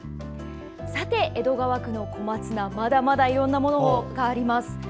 さて、江戸川区の小松菜まだまだいろんなものがあります。